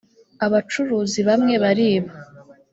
abacuruzi bamwe bariba.